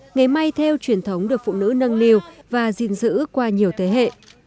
nghề may theo truyền thống được phụ nữ nâng niu và gìn giữ qua nhiều thế hệ